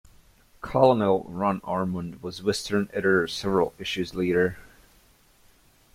Colonel Ron Ormond was Western Editor several issues later.